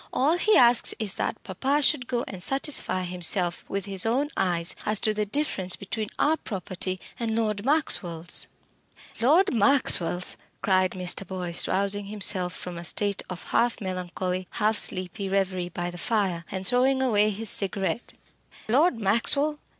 All he asks is that papa should go and satisfy himself with his own eyes as to the difference between our property and Lord Maxwell's " "Lord Maxwell's!" cried Mr. Boyce, rousing himself from a state of half melancholy, half sleepy reverie by the fire, and throwing away his cigarette "Lord Maxwell!